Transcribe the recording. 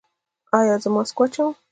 ایا زه ماسک واچوم؟